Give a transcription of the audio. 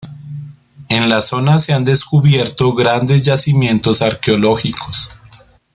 En la zona se han descubiertos grandes yacimientos arqueológicos.